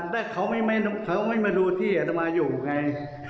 แต่เขาไม่มาดูที่อัตมาอยู่ไง